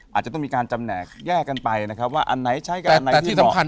อาจจะต้องมีการจำแหนกแยกกันไปนะครับว่าอันไหนใช้กับอันไหนที่เหมาะ